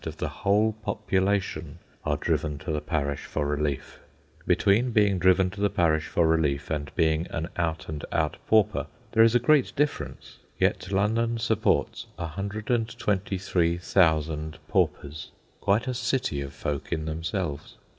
of the whole population are driven to the parish for relief. Between being driven to the parish for relief and being an out and out pauper there is a great difference, yet London supports 123,000 paupers, quite a city of folk in themselves.